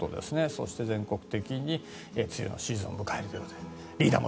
そして、全国的に梅雨のシーズンを迎えるということでリーダー